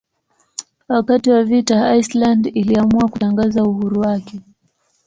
Wakati wa vita Iceland iliamua kutangaza uhuru wake.